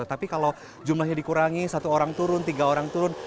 tapi kalau jumlahnya dikurangi satu orang turun tiga orang turun